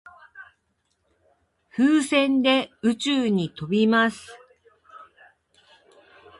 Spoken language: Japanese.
風船で宇宙に飛びます。